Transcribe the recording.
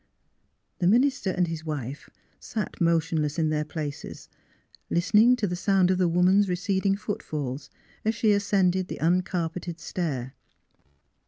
The minister and his wife sat motionless in their places, listening to the sound of the woman's receding footfalls, as she ascended the uncarpeted stair.